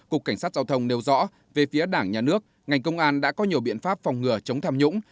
cục cảnh sát giao thông nêu rõ về phía đảng nhà nước ngành công an đã có nhiều biện pháp phòng ngừa chống tham nhũng